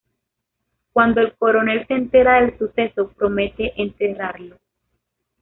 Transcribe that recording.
Cuando el coronel se entera del suceso, promete enterrarlo.